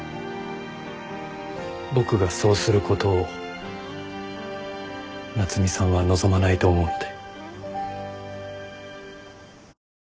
僕がそうすることを夏海さんは望まないと思うので。